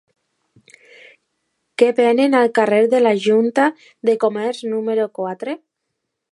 Què venen al carrer de la Junta de Comerç número quatre?